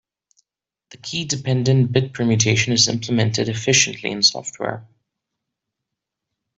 The key-dependent bit permutation is implemented efficiently in software.